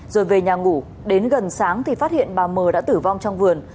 rồi về nhà ngủ đến gần sáng thì phát hiện bà mờ đã tử vong trong vườn